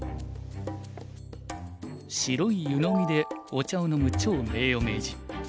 白い湯飲みでお茶を飲む趙名誉名人。